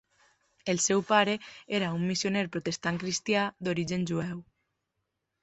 El seu pare era un missioner protestant cristià, d'origen jueu.